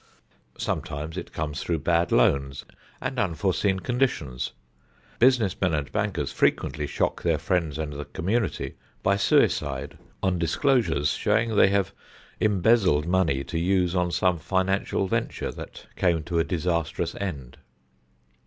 Sometimes it comes through bad loans and unforeseen conditions. Business men and bankers frequently shock their friends and the community by suicide, on disclosures showing they have embezzled money to use on some financial venture that came to a disastrous end.